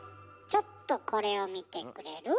ちょっとこれを見てくれる？